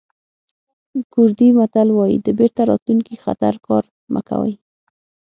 کوردي متل وایي د بېرته راتلونکي خطر کار مه کوئ.